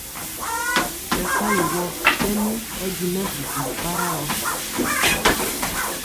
Bɛ kuali wɔɔ tɛmi ɔdinɛ bubuli para gɔ.